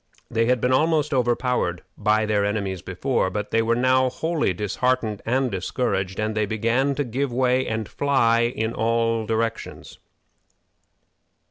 They had been almost overpowered by their enemies before, but they were now wholly disheartened and discouraged, and they began to give way and fly in all directions.